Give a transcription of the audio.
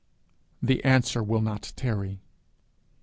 the answer will not tarry.